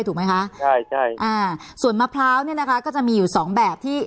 ถูกไหมคะใช่ใช่อ่าส่วนมะพร้าวเนี่ยนะคะก็จะมีอยู่สองแบบที่